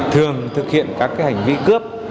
thường thực hiện các hành vi cướp